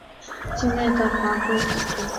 境内的华闾古都为丁朝和前黎朝的首都。